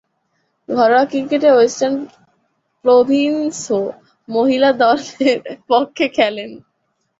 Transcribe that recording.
ঘরোয়া ক্রিকেটে Western Province মহিলা দলের পক্ষে খেলেন।